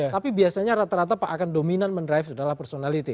tapi biasanya rata rata pak akan dominan menerai dalam personality